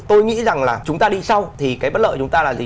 tôi nghĩ rằng là chúng ta đi sau thì cái bất lợi chúng ta là gì